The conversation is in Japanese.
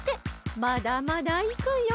まだまだいくよ！